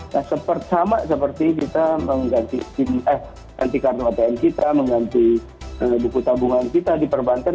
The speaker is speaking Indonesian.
nah sama seperti kita mengganti kartu atm kita mengganti buku tabungan kita di perbanten